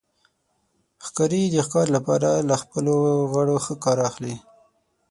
ښکاري د ښکار لپاره له خپلو غړو ښه کار اخلي.